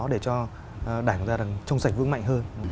để cho đảng chúng ta trông sạch vững mạnh hơn